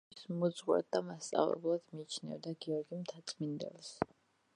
თავის მოძღვრად და მასწავლებლად მიიჩნევდა გიორგი მთაწმიდელს.